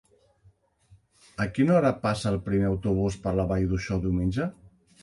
A quina hora passa el primer autobús per la Vall d'Uixó diumenge?